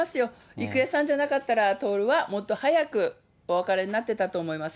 郁恵さんじゃなかったら、徹はもっと早くお別れになってたと思います。